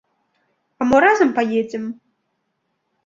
А мо разам паедзем?